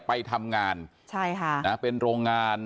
ไปทำงานเป็นโรงงาน